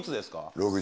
６０。